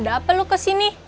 ada apa lo kesini